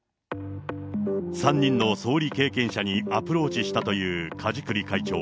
３人の総理経験者にアプローチしたという梶栗会長。